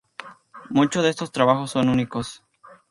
Muchos de estos trabajos son únicos.